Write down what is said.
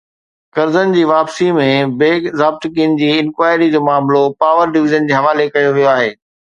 قرضن جي واپسي ۾ بي ضابطگين جي انڪوائري جو معاملو پاور ڊويزن جي حوالي ڪيو ويو آهي